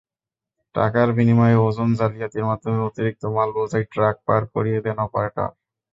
টাকার বিনিময়ে ওজন জালিয়াতির মাধ্যমে অতিরিক্ত মালবোঝাই ট্রাক পার করিয়ে দেন অপারেটর।